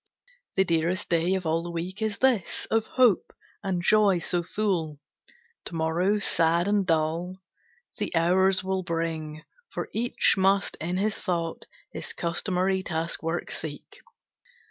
The dearest day of all the week Is this, of hope and joy so full; To morrow, sad and dull, The hours will bring, for each must in his thought His customary task work seek.